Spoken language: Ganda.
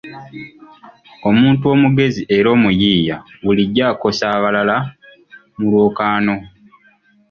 Omuntu omugezi era omuyiiya bulijjo akosa abalala mu lwokaano.